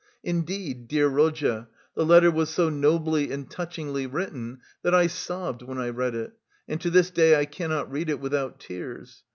Indeed, dear Rodya, the letter was so nobly and touchingly written that I sobbed when I read it and to this day I cannot read it without tears.